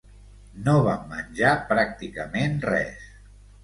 No vam menjar pràcticament res.